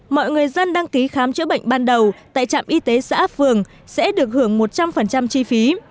mọi người dân đăng ký khám chữa bệnh ban đầu tại trạm y tế xã phường sẽ được hưởng một trăm linh chi phí